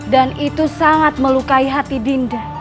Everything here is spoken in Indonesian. dan itu sangat melukai hati dinda